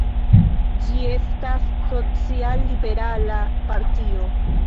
Ĝi estas social-liberala partio.